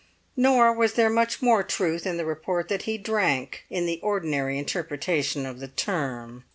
Nor was there much more truth in the report that he drank, in the ordinary interpretation of the term.